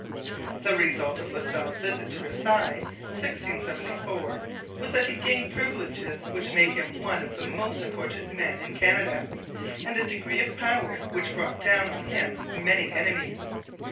The result of La Salle's visit to Versailles (1674) was that he gained privileges which made him one of the most important men in Canada, and a degree of power which brought down on him many enemies.